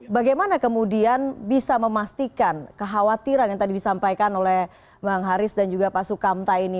bagaimana kemudian bisa memastikan kekhawatiran yang tadi disampaikan oleh bang haris dan juga pak sukamta ini